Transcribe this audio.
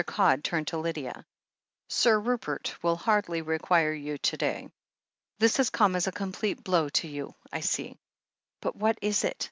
Codd turned to Lydia. "Sir Rupert will hardly require you to day. This has come as a complete blow to you, I see." "But what is it ?"